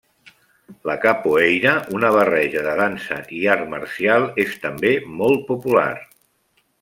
La capoeira, una barreja de dansa i art marcial és també molt popular.